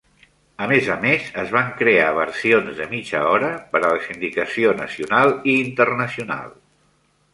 A més a més, es van crear versions de mitja hora per a la sindicació nacional i internacional.